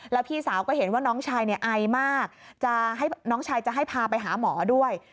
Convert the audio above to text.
แล้วพี่สาวก็เห็นว่าน้องชายเนี่ยไอมากน้องชายจะให้พาไปหาหมอด้วย